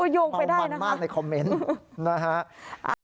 โอ้โฮคุณเอามันมากในคอมเมนต์นะฮะโอ้โฮโยงไปได้นะฮะ